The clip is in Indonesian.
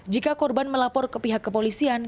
jika korban melapor ke pihak kepolisian